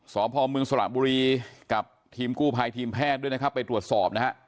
สอบภอมเมืองสระบุรีกับทีมกู้ภัยทีมแพทย์ด้วยนะครับไปตรวจสอบนะฮะ